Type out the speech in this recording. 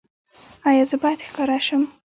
ایا زه باید ښکاره شم؟